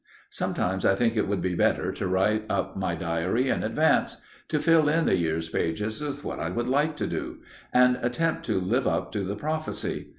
Sometimes I think it would be better to write up my diary in advance, to fill in the year's pages with what I would like to do, and attempt to live up to the prophecy.